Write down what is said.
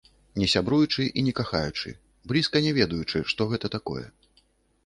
Не сябруючы і не кахаючы, блізка не ведаючы, што гэта такое.